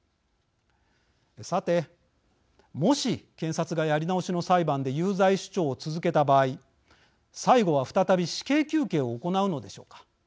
さて、もし検察がやり直しの裁判で有罪主張を続けた場合最後は、再び死刑求刑を行うのでしょうか。